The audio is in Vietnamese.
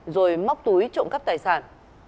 rồi móc túi trộm cắp tài sản